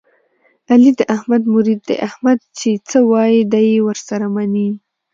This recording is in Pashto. علي د احمد مرید دی، احمد چې څه وایي دی یې ور سره مني.